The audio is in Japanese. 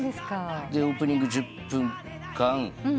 オープニング１０分間。